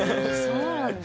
そうなんだ。